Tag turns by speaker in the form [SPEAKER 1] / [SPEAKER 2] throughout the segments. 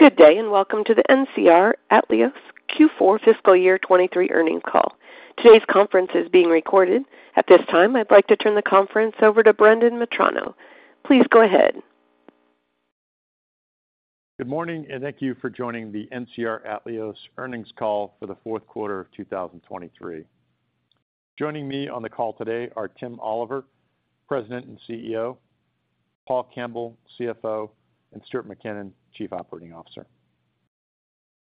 [SPEAKER 1] Good day and welcome to the NCR Atleos Q4 fiscal year 2023 earnings call. Today's conference is being recorded. At this time, I'd like to turn the conference over to Brendan Metrano. Please go ahead.
[SPEAKER 2] Good morning and thank you for joining the NCR Atleos earnings call for the fourth quarter of 2023. Joining me on the call today are Tim Oliver, President and CEO; Paul Campbell, CFO; and Stuart MacKinnon, Chief Operating Officer.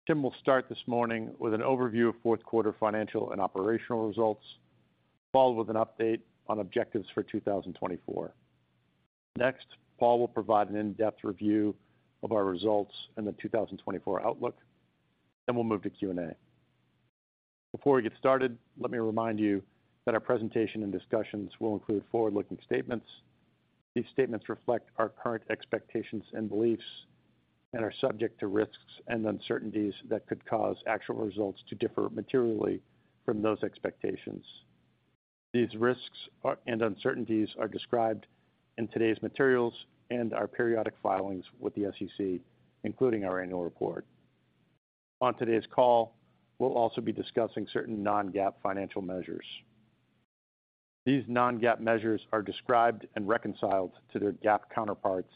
[SPEAKER 2] Tim will start this morning with an overview of fourth quarter financial and operational results, followed with an update on objectives for 2024. Next, Paul will provide an in-depth review of our results and the 2024 outlook, then we'll move to Q&A. Before we get started, let me remind you that our presentation and discussions will include forward-looking statements. These statements reflect our current expectations and beliefs and are subject to risks and uncertainties that could cause actual results to differ materially from those expectations. These risks and uncertainties are described in today's materials and our periodic filings with the SEC, including our annual report. On today's call, we'll also be discussing certain non-GAAP financial measures. These non-GAAP measures are described and reconciled to their GAAP counterparts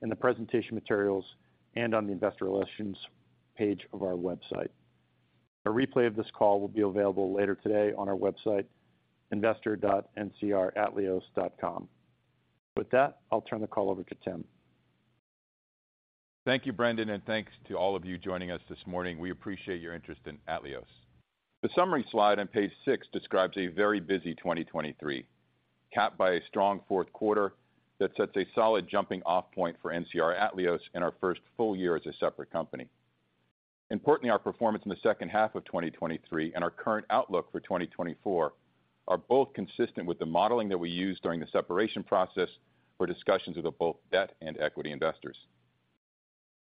[SPEAKER 2] in the presentation materials and on the Investor Relations page of our website. A replay of this call will be available later today on our website, investor.ncratleos.com. With that, I'll turn the call over to Tim.
[SPEAKER 3] Thank you, Brendan, and thanks to all of you joining us this morning. We appreciate your interest in Atleos. The summary slide on page 6 describes a very busy 2023, capped by a strong fourth quarter that sets a solid jumping-off point for NCR Atleos in our first full year as a separate company. Importantly, our performance in the second half of 2023 and our current outlook for 2024 are both consistent with the modeling that we used during the separation process for discussions with both debt and equity investors.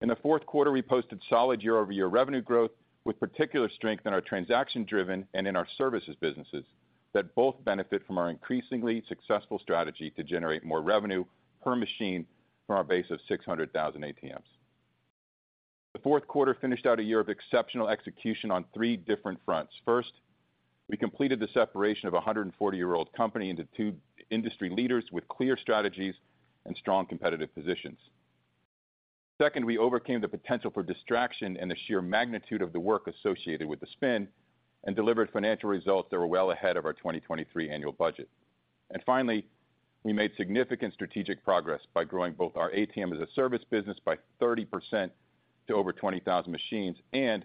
[SPEAKER 3] In the fourth quarter, we posted solid year-over-year revenue growth with particular strength in our transaction-driven and in our services businesses that both benefit from our increasingly successful strategy to generate more revenue per machine from our base of 600,000 ATMs. The fourth quarter finished out a year of exceptional execution on three different fronts. First, we completed the separation of a 140-year-old company into two industry leaders with clear strategies and strong competitive positions. Second, we overcame the potential for distraction and the sheer magnitude of the work associated with the spin and delivered financial results that were well ahead of our 2023 annual budget. And finally, we made significant strategic progress by growing both our ATM as a Service business by 30% to over 20,000 machines and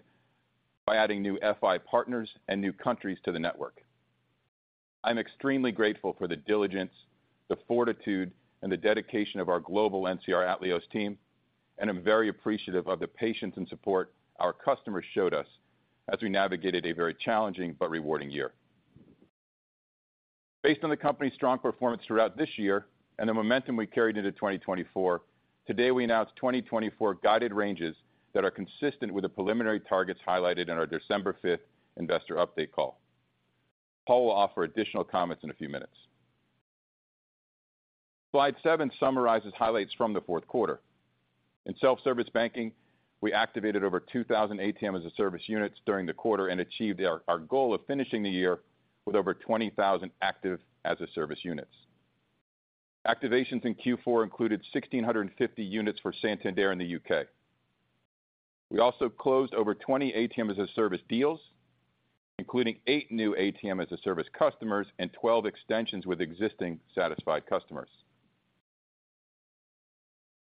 [SPEAKER 3] by adding new FI partners and new countries to the network. I'm extremely grateful for the diligence, the fortitude, and the dedication of our global NCR Atleos team, and I'm very appreciative of the patience and support our customers showed us as we navigated a very challenging but rewarding year. Based on the company's strong performance throughout this year and the momentum we carried into 2024, today we announced 2024 guided ranges that are consistent with the preliminary targets highlighted in our December 5th investor update call. Paul will offer additional comments in a few minutes. Slide seven summarizes highlights from the fourth quarter. In self-service banking, we activated over 2,000 ATM as a Service units during the quarter and achieved our goal of finishing the year with over 20,000 active as a Service units. Activations in Q4 included 1,650 units for Santander in the U.K. We also closed over 20 ATM as a Service deals, including eight new ATM as a Service customers and 12 extensions with existing satisfied customers.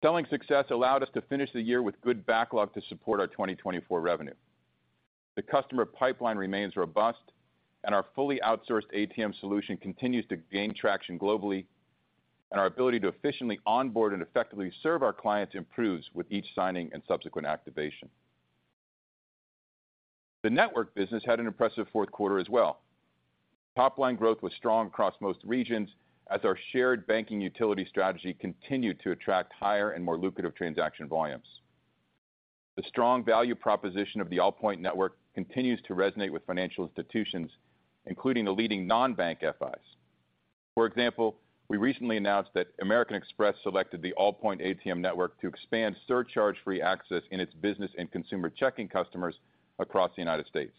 [SPEAKER 3] Selling success allowed us to finish the year with good backlog to support our 2024 revenue. The customer pipeline remains robust, and our fully outsourced ATM solution continues to gain traction globally, and our ability to efficiently onboard and effectively serve our clients improves with each signing and subsequent activation. The network business had an impressive fourth quarter as well. Top-line growth was strong across most regions as our shared banking utility strategy continued to attract higher and more lucrative transaction volumes. The strong value proposition of the Allpoint network continues to resonate with financial institutions, including the leading non-bank FIs. For example, we recently announced that American Express selected the Allpoint ATM network to expand surcharge-free access in its business and consumer checking customers across the United States.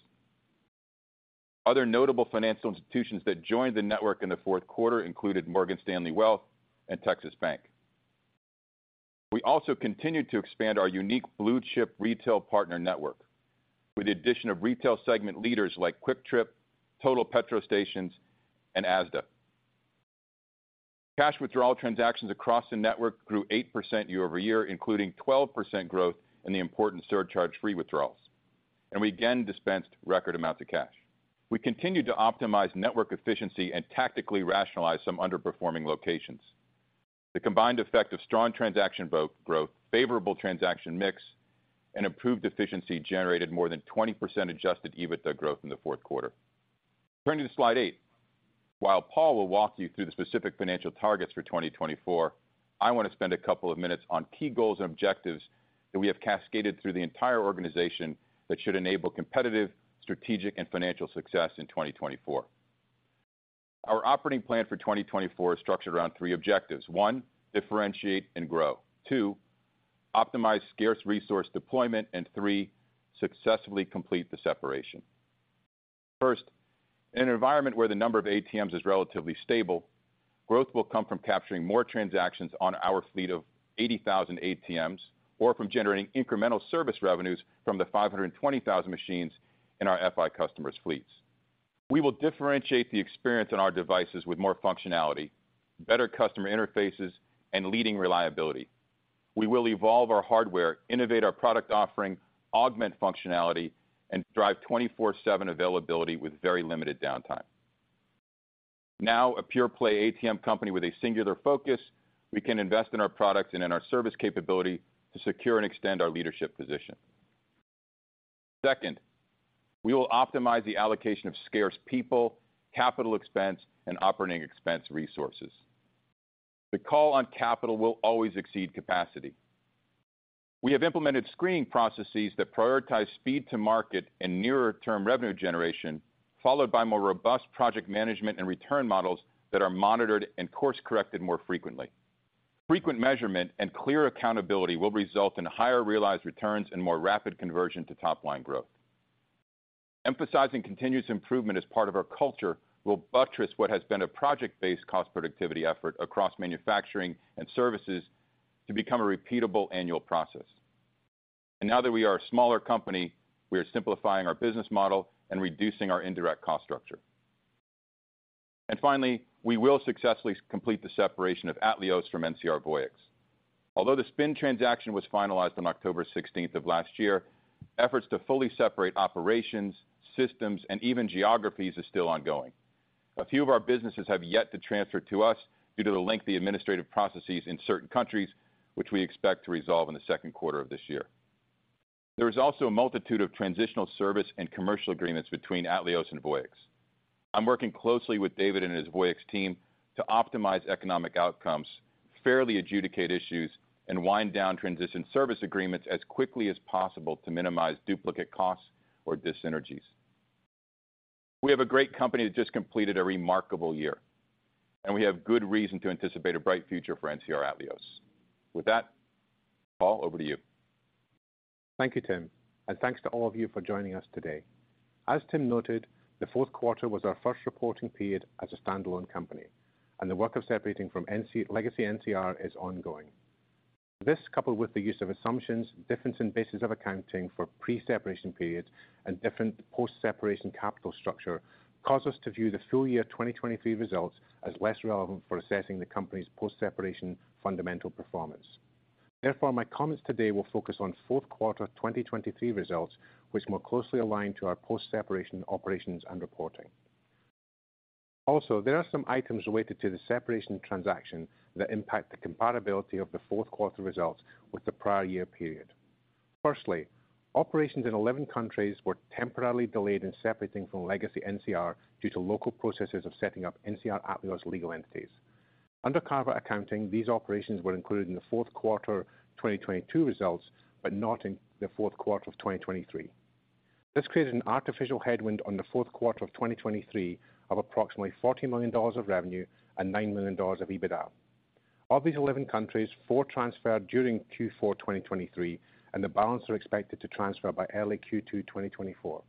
[SPEAKER 3] Other notable financial institutions that joined the network in the fourth quarter included Morgan Stanley Wealth and Texas Bank. We also continued to expand our unique blue chip retail partner network with the addition of retail segment leaders like QuikTrip, Total Petro Stations, and ASDA. Cash withdrawal transactions across the network grew 8% year-over-year, including 12% growth in the important surcharge-free withdrawals, and we again dispensed record amounts of cash. We continued to optimize network efficiency and tactically rationalize some underperforming locations. The combined effect of strong transaction growth, favorable transaction mix, and improved efficiency generated more than 20% Adjusted EBITDA growth in the fourth quarter. Turning to slide eight, while Paul will walk you through the specific financial targets for 2024, I want to spend a couple of minutes on key goals and objectives that we have cascaded through the entire organization that should enable competitive, strategic, and financial success in 2024. Our operating plan for 2024 is structured around three objectives: one, differentiate and grow, two, optimize scarce resource deployment, and three, successfully complete the separation. First, in an environment where the number of ATMs is relatively stable, growth will come from capturing more transactions on our fleet of 80,000 ATMs or from generating incremental service revenues from the 520,000 machines in our FI customers' fleets. We will differentiate the experience on our devices with more functionality, better customer interfaces, and leading reliability. We will evolve our hardware, innovate our product offering, augment functionality, and drive 24/7 availability with very limited downtime. Now, a pure-play ATM company with a singular focus, we can invest in our products and in our service capability to secure and extend our leadership position. Second, we will optimize the allocation of scarce people, capital expense, and operating expense resources. The call on capital will always exceed capacity. We have implemented screening processes that prioritize speed to market and nearer-term revenue generation, followed by more robust project management and return models that are monitored and course-corrected more frequently. Frequent measurement and clear accountability will result in higher realized returns and more rapid conversion to top-line growth. Emphasizing continuous improvement as part of our culture will buttress what has been a project-based cost productivity effort across manufacturing and services to become a repeatable annual process. Now that we are a smaller company, we are simplifying our business model and reducing our indirect cost structure. Finally, we will successfully complete the separation of Atleos from NCR Voyix. Although the spin transaction was finalized on October 16th of last year, efforts to fully separate operations, systems, and even geographies are still ongoing. A few of our businesses have yet to transfer to us due to the lengthy administrative processes in certain countries, which we expect to resolve in the second quarter of this year. There is also a multitude of transitional service and commercial agreements between Atleos and Voyix. I'm working closely with David and his Voyix team to optimize economic outcomes, fairly adjudicate issues, and wind down transition service agreements as quickly as possible to minimize duplicate costs or dissynergies. We have a great company that just completed a remarkable year, and we have good reason to anticipate a bright future for NCR Atleos. With that, Paul, over to you.
[SPEAKER 4] Thank you, Tim, and thanks to all of you for joining us today. As Tim noted, the fourth quarter was our first reporting period as a standalone company, and the work of separating from legacy NCR is ongoing. This, coupled with the use of assumptions, difference in bases of accounting for pre-separation periods, and different post-separation capital structure, caused us to view the full year 2023 results as less relevant for assessing the company's post-separation fundamental performance. Therefore, my comments today will focus on fourth quarter 2023 results, which more closely align to our post-separation operations and reporting. Also, there are some items related to the separation transaction that impact the comparability of the fourth quarter results with the prior year period. Firstly, operations in 11 countries were temporarily delayed in separating from legacy NCR due to local processes of setting up NCR Atleos legal entities. Under carve-out accounting, these operations were included in the fourth quarter 2022 results but not in the fourth quarter of 2023. This created an artificial headwind on the fourth quarter of 2023 of approximately $40 million of revenue and $9 million of EBITDA. Of these 11 countries, four transferred during Q4 2023, and the balance are expected to transfer by early Q2 2024.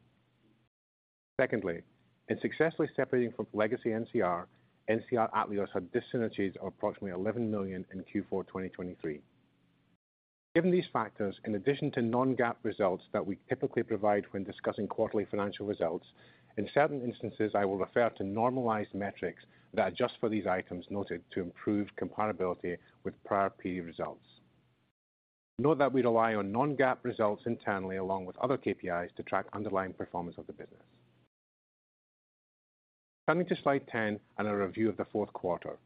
[SPEAKER 4] Secondly, in successfully separating from legacy NCR, NCR Atleos had dissynergies of approximately $11 million in Q4 2023. Given these factors, in addition to non-GAAP results that we typically provide when discussing quarterly financial results, in certain instances, I will refer to normalized metrics that are just for these items noted to improve comparability with prior period results. Note that we rely on non-GAAP results internally along with other KPIs to track underlying performance of the business. Turning to slide 10 and a review of the fourth quarter,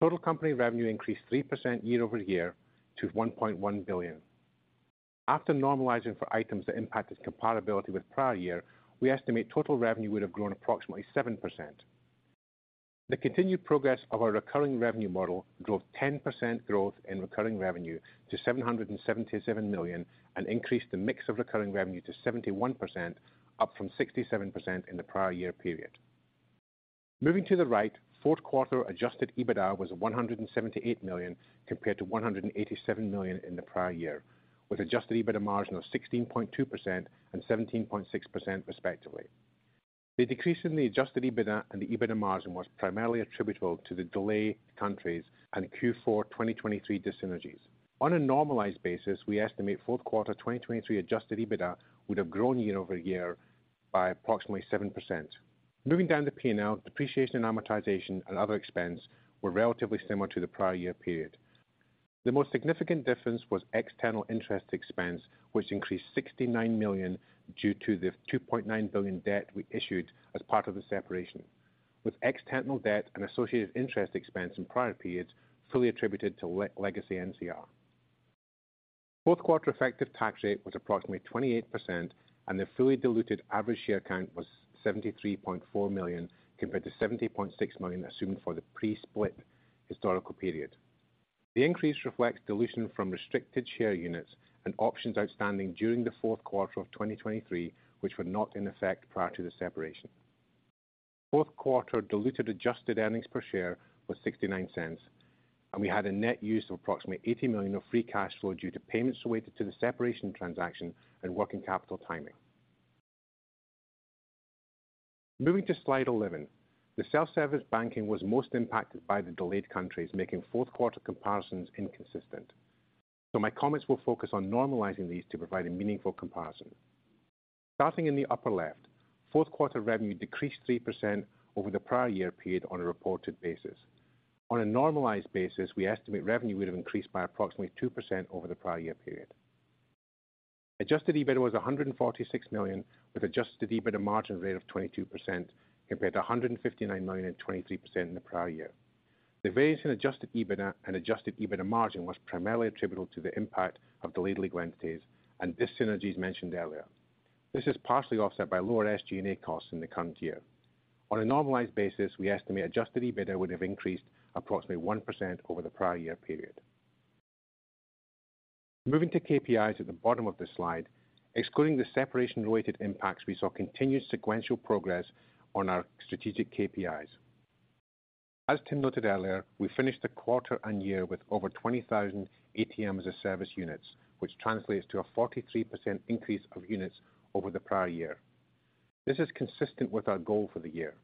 [SPEAKER 4] total company revenue increased 3% year-over-year to $1.1 billion. After normalizing for items that impacted comparability with prior year, we estimate total revenue would have grown approximately 7%. The continued progress of our recurring revenue model drove 10% growth in recurring revenue to $777 million and increased the mix of recurring revenue to 71%, up from 67% in the prior year period. Moving to the right, fourth quarter Adjusted EBITDA was $178 million compared to $187 million in the prior year, with Adjusted EBITDA margin of 16.2% and 17.6% respectively. The decrease in the Adjusted EBITDA and the EBITDA margin was primarily attributable to the delayed countries and Q4 2023 dissynergies. On a normalized basis, we estimate fourth quarter 2023 Adjusted EBITDA would have grown year-over-year by approximately 7%. Moving down the P&L, depreciation and amortization and other expense were relatively similar to the prior year period. The most significant difference was external interest expense, which increased $69 million due to the $2.9 billion debt we issued as part of the separation, with external debt and associated interest expense in prior periods fully attributed to legacy NCR. Fourth quarter effective tax rate was approximately 28%, and the fully diluted average share count was 73.4 million compared to 70.6 million assumed for the pre-split historical period. The increase reflects dilution from restricted share units and options outstanding during the fourth quarter of 2023, which were not in effect prior to the separation. Fourth quarter diluted adjusted earnings per share was $0.69, and we had a net use of approximately $80 million of free cash flow due to payments related to the separation transaction and working capital timing. Moving to slide 11, the self-service banking was most impacted by the delayed countries, making fourth quarter comparisons inconsistent. So my comments will focus on normalizing these to provide a meaningful comparison. Starting in the upper left, fourth quarter revenue decreased 3% over the prior year period on a reported basis. On a normalized basis, we estimate revenue would have increased by approximately 2% over the prior year period. Adjusted EBITDA was $146 million, with adjusted EBITDA margin rate of 22% compared to $159 million and 23% in the prior year. The variance in Adjusted EBITDA and adjusted EBITDA margin was primarily attributable to the impact of delayed legal entities and dissynergies mentioned earlier. This is partially offset by lower SG&A costs in the current year. On a normalized basis, we estimate Adjusted EBITDA would have increased approximately 1% over the prior year period. Moving to KPIs at the bottom of this slide, excluding the separation-related impacts, we saw continued sequential progress on our strategic KPIs. As Tim noted earlier, we finished the quarter and year with over 20,000 ATM as a Service units, which translates to a 43% increase of units over the prior year. This is consistent with our goal for the year.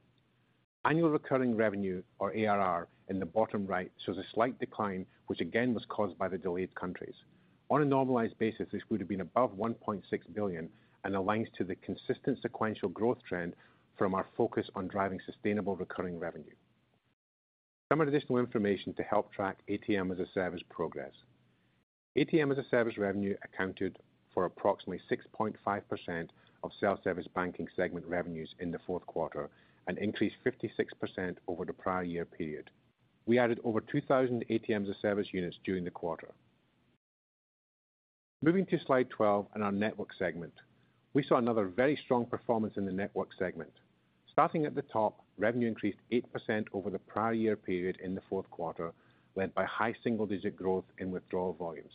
[SPEAKER 4] Annual Recurring Revenue, or ARR, in the bottom right shows a slight decline, which again was caused by the delayed countries. On a normalized basis, this would have been above $1.6 billion and aligns to the consistent sequential growth trend from our focus on driving sustainable recurring revenue. Some additional information to help track ATM as a Service progress. ATM as a Service revenue accounted for approximately 6.5% of self-service banking segment revenues in the fourth quarter and increased 56% over the prior year period. We added over 2,000 ATM as a Service units during the quarter. Moving to slide 12 and our network segment, we saw another very strong performance in the network segment. Starting at the top, revenue increased 8% over the prior year period in the fourth quarter, led by high single-digit growth in withdrawal volumes.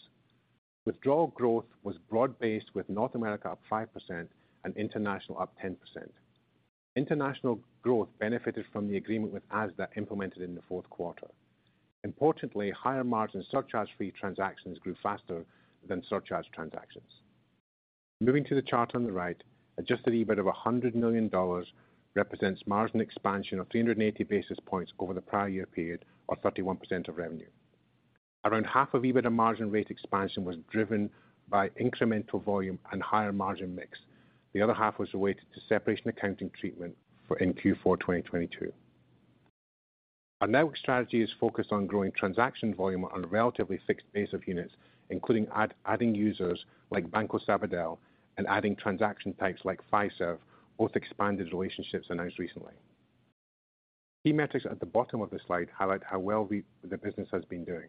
[SPEAKER 4] Withdrawal growth was broad-based, with North America up 5% and international up 10%. International growth benefited from the agreement with ASDA implemented in the fourth quarter. Importantly, higher margin surcharge-free transactions grew faster than surcharge transactions. Moving to the chart on the right, adjusted EBITDA of $100 million represents margin expansion of 380 basis points over the prior year period, or 31% of revenue. Around half of EBITDA margin rate expansion was driven by incremental volume and higher margin mix. The other half was related to separation accounting treatment in Q4 2022. Our network strategy is focused on growing transaction volume on a relatively fixed base of units, including adding users like Banco Sabadell and adding transaction types like Fiserv, both expanded relationships announced recently. Key metrics at the bottom of the slide highlight how well the business has been doing.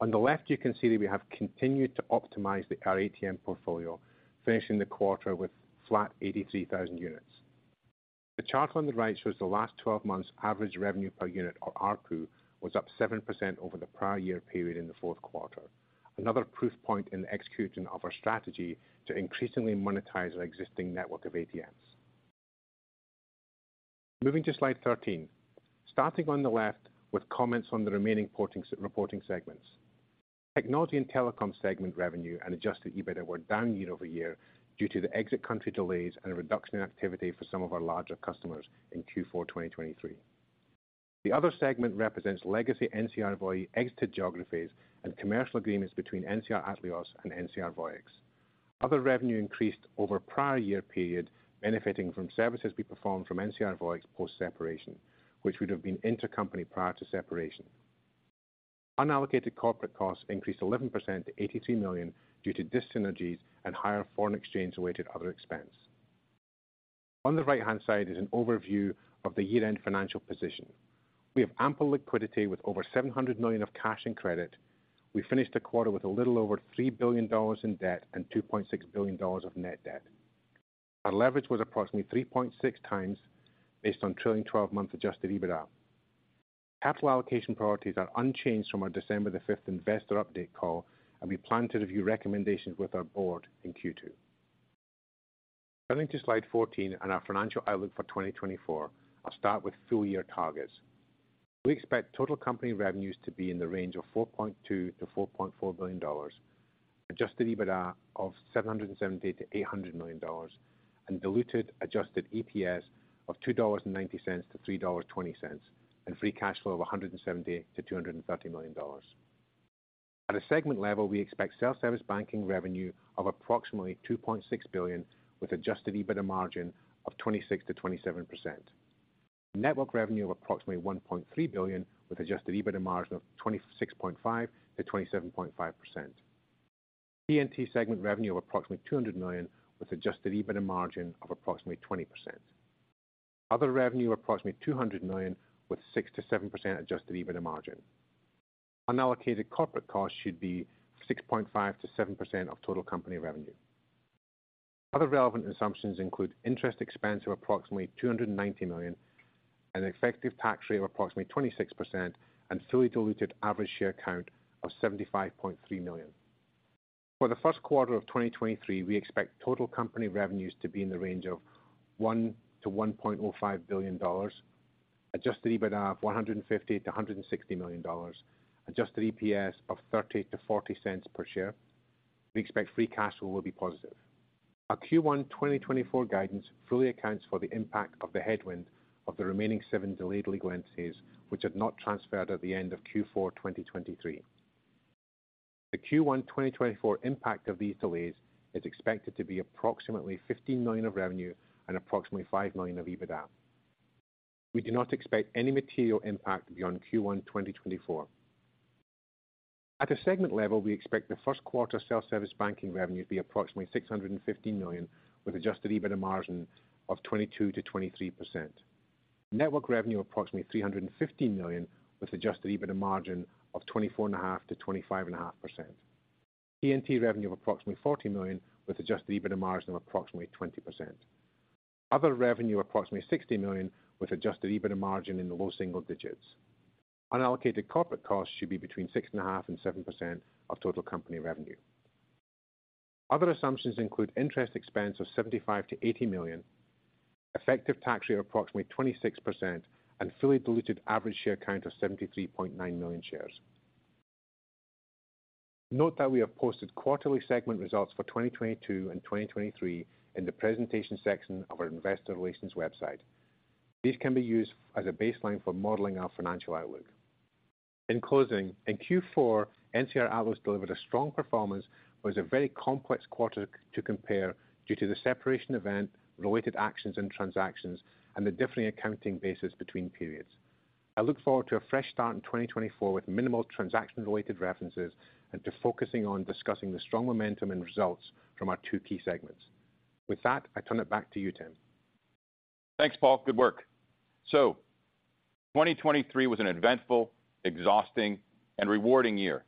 [SPEAKER 4] On the left, you can see that we have continued to optimize our ATM portfolio, finishing the quarter with flat 83,000 units. The chart on the right shows the last 12 months' average revenue per unit, or RPU, was up 7% over the prior year period in the fourth quarter, another proof point in the execution of our strategy to increasingly monetize our existing network of ATMs. Moving to slide 13, starting on the left with comments on the remaining reporting segments. Technology and telecom segment revenue and Adjusted EBITDA were down year-over-year due to the exit country delays and a reduction in activity for some of our larger customers in Q4 2023. The other segment represents legacy NCR Voyix exited geographies and commercial agreements between NCR Atleos and NCR Voyix. Other revenue increased over prior year period, benefiting from services we performed from NCR Voyix post-separation, which would have been intercompany prior to separation. Unallocated corporate costs increased 11% to $83 million due to dissynergies and higher foreign exchange-related other expense. On the right-hand side is an overview of the year-end financial position. We have ample liquidity with over $700 million of cash and credit. We finished the quarter with a little over $3 billion in debt and $2.6 billion of net debt. Our leverage was approximately 3.6x based on trailing 12-month Adjusted EBITDA. Capital allocation priorities are unchanged from our December 5th investor update call, and we plan to review recommendations with our board in Q2. Turning to slide 14 and our financial outlook for 2024, I'll start with full year targets. We expect total company revenues to be in the range of $4.2 billion-$4.4 billion, Adjusted EBITDA of $770 million-$800 million, and diluted adjusted EPS of $2.90-$3.20, and free cash flow of $170 million-$230 million. At a segment level, we expect self-service banking revenue of approximately $2.6 billion, with Adjusted EBITDA margin of 26%-27%. Network revenue of approximately $1.3 billion, with Adjusted EBITDA margin of 26.5%-27.5%. P&T segment revenue of approximately $200 million, with Adjusted EBITDA margin of approximately 20%. Other revenue of approximately $200 million, with 6%-7% Adjusted EBITDA margin. Unallocated corporate costs should be 6.5%-7% of total company revenue. Other relevant assumptions include interest expense of approximately $290 million, an effective tax rate of approximately 26%, and fully diluted average share count of 75.3 million. For the first quarter of 2023, we expect total company revenues to be in the range of $1 billion-$1.05 billion, adjusted EBITDA of $150 million-$160 million, adjusted EPS of $0.30-$0.40 per share. We expect free cash flow will be positive. Our Q1 2024 guidance fully accounts for the impact of the headwind of the remaining seven delayed legal entities, which had not transferred at the end of Q4 2023. The Q1 2024 impact of these delays is expected to be approximately $15 million of revenue and approximately $5 million of EBITDA. We do not expect any material impact beyond Q1 2024. At a segment level, we expect the first quarter self-service banking revenues to be approximately $615 million, with adjusted EBITDA margin of 22%-23%. Network revenue approximately $315 million, with adjusted EBITDA margin of 24.5%-25.5%. P&T revenue of approximately $40 million, with adjusted EBITDA margin of approximately 20%. Other revenue approximately $60 million, with adjusted EBITDA margin in the low single digits. Unallocated corporate costs should be between 6.5% and 7% of total company revenue. Other assumptions include interest expense of $75 million-$80 million, effective tax rate of approximately 26%, and fully diluted average share count of 73.9 million shares. Note that we have posted quarterly segment results for 2022 and 2023 in the presentation section of our investor relations website. These can be used as a baseline for modeling our financial outlook. In closing, in Q4, NCR Atleos delivered a strong performance, but it was a very complex quarter to compare due to the separation event, related actions and transactions, and the differing accounting basis between periods. I look forward to a fresh start in 2024 with minimal transaction-related references and to focusing on discussing the strong momentum and results from our two key segments. With that, I turn it back to you, Tim.
[SPEAKER 3] Thanks, Paul. Good work. 2023 was an eventful, exhausting, and rewarding year.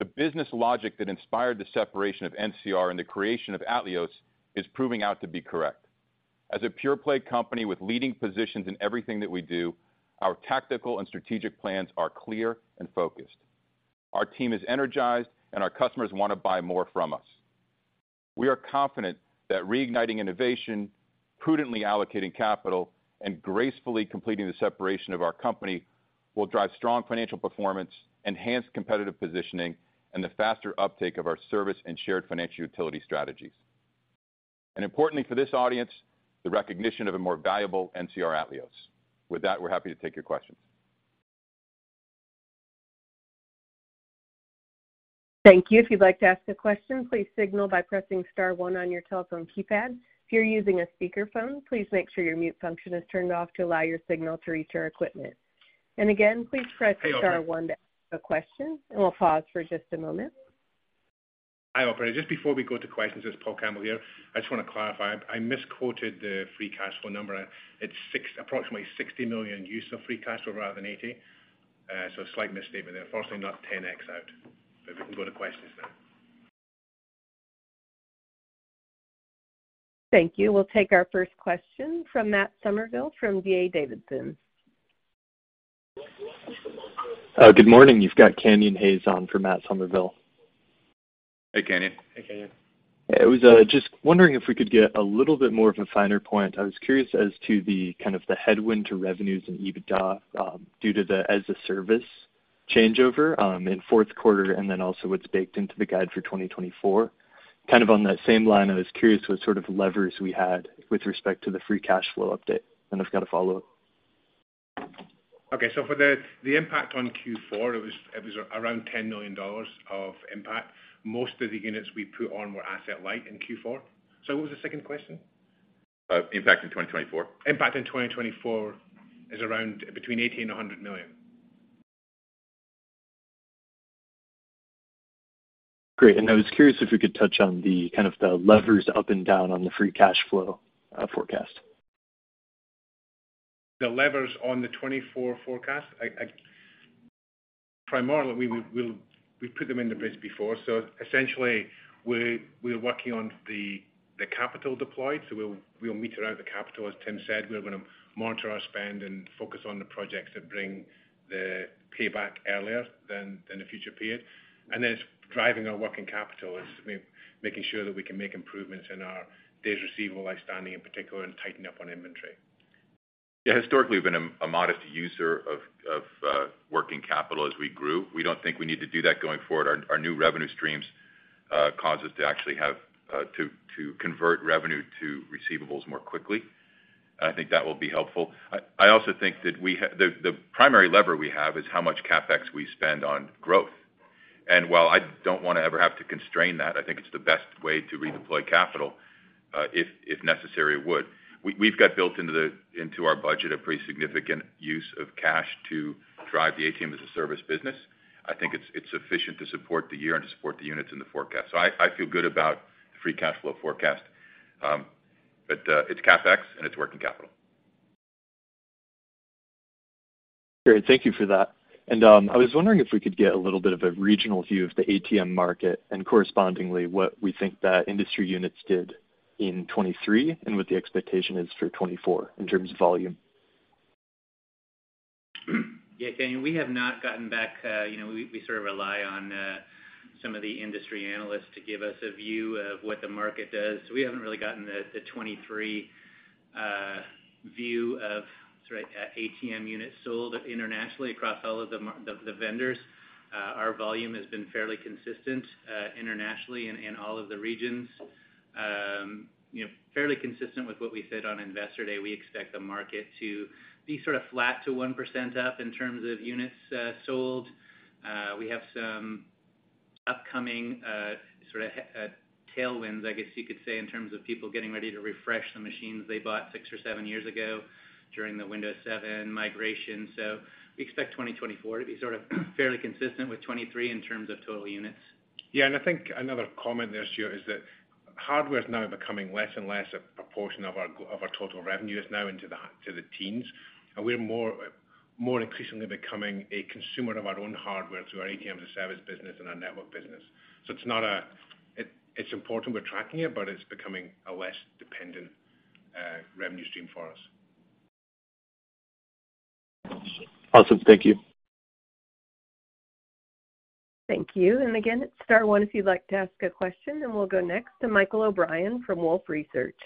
[SPEAKER 3] The business logic that inspired the separation of NCR and the creation of Atleos is proving out to be correct. As a pure-play company with leading positions in everything that we do, our tactical and strategic plans are clear and focused. Our team is energized, and our customers want to buy more from us. We are confident that reigniting innovation, prudently allocating capital, and gracefully completing the separation of our company will drive strong financial performance, enhanced competitive positioning, and the faster uptake of our service and shared financial utility strategies. And importantly for this audience, the recognition of a more valuable NCR Atleos. With that, we're happy to take your questions.
[SPEAKER 1] Thank you. If you'd like to ask a question, please signal by pressing star one on your telephone keypad. If you're using a speakerphone, please make sure your mute function is turned off to allow your signal to reach our equipment. And again, please press star one to ask a question, and we'll pause for just a moment.
[SPEAKER 4] Hi, Operator. Just before we go to questions, it's Paul Campbell here. I just want to clarify. I misquoted the free cash flow number. It's approximately $60 million use of free cash flow rather than $80. So a slight misstatement there. Fortunately, not 10x out. But we can go to questions now.
[SPEAKER 1] Thank you. We'll take our first question from Matt Somerville from D.A. Davidson.
[SPEAKER 5] Good morning. You've got Canyon Hayes on for Matt Somerville.
[SPEAKER 3] Hey, Canyon.
[SPEAKER 4] Hey, Canyon.
[SPEAKER 5] I was just wondering if we could get a little bit more of a finer point. I was curious as to the kind of the headwind to revenues and EBITDA due to the as-a-service changeover in fourth quarter and then also what's baked into the guide for 2024. Kind of on that same line, I was curious what sort of levers we had with respect to the free cash flow update. And I've got a follow-up.
[SPEAKER 4] Okay. So for the impact on Q4, it was around $10 million of impact. Most of the units we put on were asset light in Q4. Sorry, what was the second question?
[SPEAKER 5] Impact in 2024. Impact in 2024 is around between $80 million and $100 million. Great. And I was curious if we could touch on kind of the levers up and down on the free cash flow forecast.
[SPEAKER 4] The levers on the 2024 forecast? Primarily, we put them in the bridge before. So essentially, we're working on the capital deployed. So we'll meter out the capital. As Tim said, we're going to monitor our spend and focus on the projects that bring the payback earlier than the future period. And then it's driving our working capital. It's making sure that we can make improvements in our days receivable, lifestanding in particular, and tightening up on inventory.
[SPEAKER 3] Yeah. Historically, we've been a modest user of working capital as we grew. We don't think we need to do that going forward. Our new revenue streams cause us to actually have to convert revenue to receivables more quickly. I think that will be helpful. I also think that the primary lever we have is how much CapEx we spend on growth. While I don't want to ever have to constrain that, I think it's the best way to redeploy capital if necessary would. We've got built into our budget a pretty significant use of cash to drive the ATM as a service business. I think it's sufficient to support the year and to support the units in the forecast. I feel good about the free cash flow forecast. It's CapEx, and it's working capital.
[SPEAKER 5] Great. Thank you for that. I was wondering if we could get a little bit of a regional view of the ATM market and correspondingly what we think that industry units did in 2023 and what the expectation is for 2024 in terms of volume.
[SPEAKER 4] Yeah, Canyon. We have not gotten back. We sort of rely on some of the industry analysts to give us a view of what the market does. So we haven't really gotten the 2023 view of, sorry, ATM units sold internationally across all of the vendors. Our volume has been fairly consistent internationally and in all of the regions. Fairly consistent with what we said on investor day, we expect the market to be sort of flat to 1% up in terms of units sold. We have some upcoming sort of tailwinds, I guess you could say, in terms of people getting ready to refresh the machines they bought six or seven years ago during the Windows 7 migration. So we expect 2024 to be sort of fairly consistent with 2023 in terms of total units.
[SPEAKER 3] Yeah. And I think another comment there to you is that hardware is now becoming less and less a proportion of our total revenue. It's now into the teens. And we're more increasingly becoming a consumer of our own hardware through our ATM as a Service business and our network business. So it's important we're tracking it, but it's becoming a less dependent revenue stream for us.
[SPEAKER 5] Awesome. Thank you.
[SPEAKER 1] Thank you. And again, at star one, if you'd like to ask a question, then we'll go next to Michael O'Brien from Wolfe Research.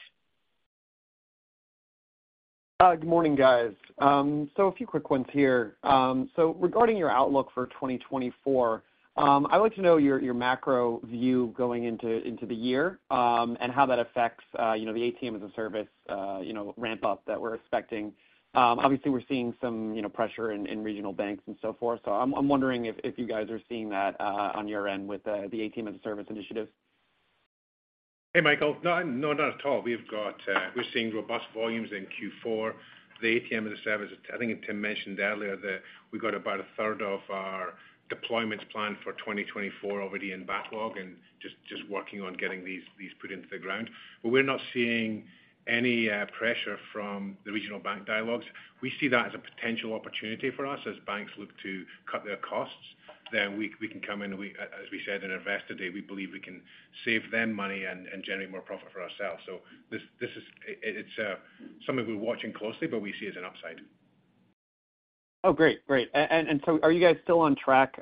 [SPEAKER 6] Good morning, guys. So a few quick ones here. So regarding your outlook for 2024, I'd like to know your macro view going into the year and how that affects the ATM as a Service ramp-up that we're expecting. Obviously, we're seeing some pressure in regional banks and so forth. So I'm wondering if you guys are seeing that on your end with the ATM as a Service initiative.
[SPEAKER 4] Hey, Michael. No, not at all. We're seeing robust volumes in Q4. The ATM as a Service, I think Tim mentioned earlier that we got about a third of our deployments planned for 2024 already in backlog and just working on getting these put into the ground. But we're not seeing any pressure from the regional bank dialogues. We see that as a potential opportunity for us as banks look to cut their costs. Then we can come in, as we said on investor day, we believe we can save them money and generate more profit for ourselves. So it's something we're watching closely, but we see it as an upside.
[SPEAKER 6] Oh, great. Great. And so are you guys still on track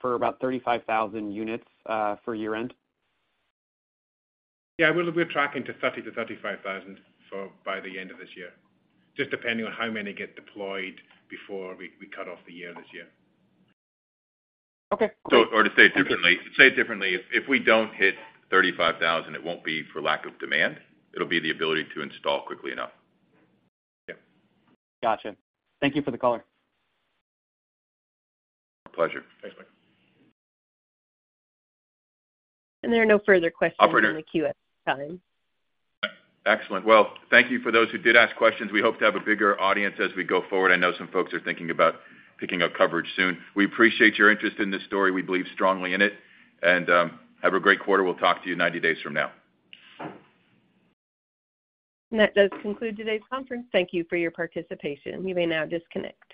[SPEAKER 6] for about 35,000 units for year-end?
[SPEAKER 4] Yeah. We're tracking to 30 thousand-35 thousand by the end of this year, just depending on how many get deployed before we cut off the year this year.
[SPEAKER 6] Okay.
[SPEAKER 3] Or to say it differently, if we don't hit 35,000, it won't be for lack of demand. It'll be the ability to install quickly enough.
[SPEAKER 6] Yeah. Gotcha. Thank you for the caller.
[SPEAKER 3] Pleasure. Thanks, Michael.
[SPEAKER 1] And there are no further questions in the Q&A time.
[SPEAKER 3] Excellent. Well, thank you for those who did ask questions. We hope to have a bigger audience as we go forward. I know some folks are thinking about picking up coverage soon. We appreciate your interest in this story. We believe strongly in it. Have a great quarter. We'll talk to you 90 days from now.
[SPEAKER 1] That does conclude today's conference. Thank you for your participation. You may now disconnect.